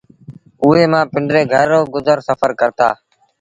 اُئي مآݩ پنڊري گھر رو گزر سڦر ڪرتآ